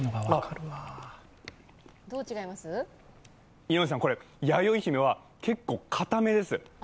井上さん、これ、やよいひめは結構かためです。